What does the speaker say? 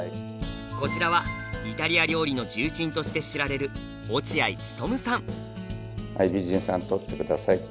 こちらはイタリア料理の重鎮として知られるはい美人さん撮って下さい。